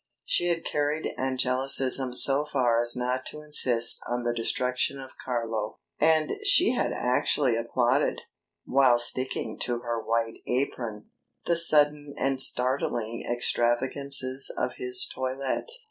She had carried angelicism so far as not to insist on the destruction of Carlo; and she had actually applauded, while sticking to her white apron, the sudden and startling extravagances of his toilette.